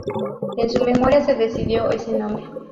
En su memoria se decidió ese nombre.